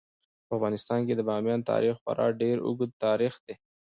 په افغانستان کې د بامیان تاریخ خورا ډیر اوږد تاریخ دی.